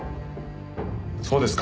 そうですか。